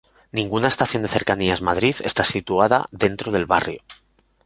Ninguna estación de Cercanías Madrid está situada dentro del barrio.